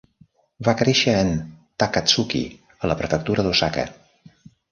Va créixer en Takatsuki, a la prefectura d'Osaka.